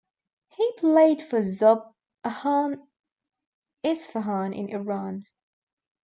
He played for Zob Ahan Isfahan in Iran.